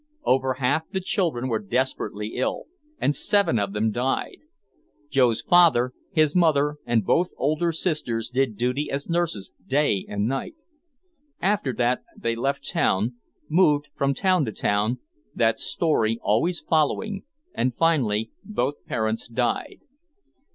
Over half the children were desperately ill and seven of them died. Joe's father, his mother and both older sisters did duty as nurses day and night. After that they left town, moved from town to town, that story always following, and finally both parents died.